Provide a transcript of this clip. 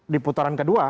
di putaran kedua